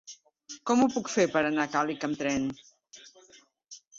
Com ho puc fer per anar a Càlig amb tren?